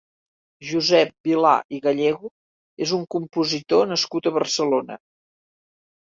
Josep Vilà i Gallego és un compositor nascut a Barcelona.